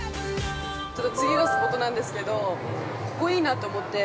◆次のスポットなんですけどここいいなと思って。